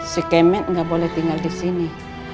si kemen nggak boleh tinggal di sini